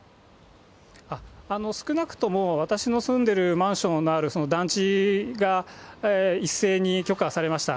少なくとも私の住んでいるマンションのある団地が一斉に許可されました。